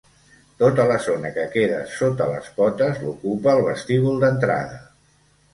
Tota la zona que queda sota les potes l'ocupa el vestíbul d'entrada.